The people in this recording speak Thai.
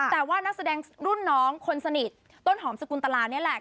แต่ว่านักแสดงรุ่นน้องคนสนิทต้นหอมสกุลตลานี่แหละ